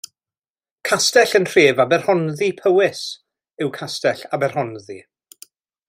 Castell yn nhref Aberhonddu, Powys yw Castell Aberhonddu.